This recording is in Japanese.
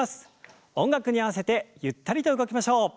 音楽に合わせてゆったりと動きましょう。